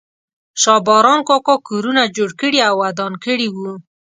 شا باران کاکا کورونه جوړ کړي او ودان کړي وو.